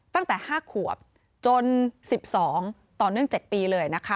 ตั้งแต่๕ขวบจน๑๒ต่อเนื่อง๗ปีเลยนะคะ